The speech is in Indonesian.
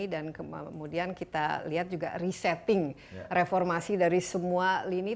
dan kemudian kita lihat juga resetting reformasi dari semua lini